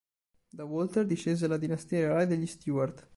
Da Walter discese la dinastia reale degli Stuart.